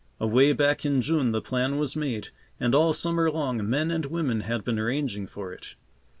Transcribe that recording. Away back in June the plan was made, and all summer long, men and women had been arranging for it.